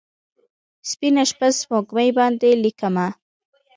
سپینه شپه، سپوږمۍ باندې لیکمه